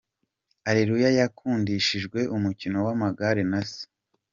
Areruya yakundishijwe umukino w’amagare na se.